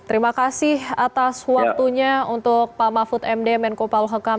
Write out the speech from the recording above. terima kasih atas waktunya untuk pak mahfud md menko paul hukam